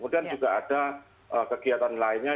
dan juga ada kegiatan lainnya